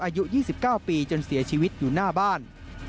อายุ๒๙ปีจนเสียชีวิตอยู่หน้าบ้าน